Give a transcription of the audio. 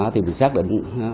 thì mình xác định